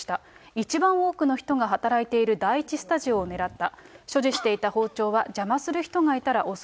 一番多くの人が働いている第１スタジオを狙った。